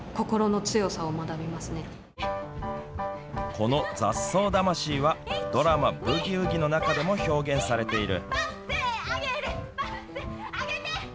この雑草魂はドラマ、ブギウギの中でも表現されている。